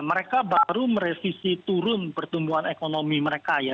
mereka baru merevisi turun pertumbuhan ekonomi mereka ya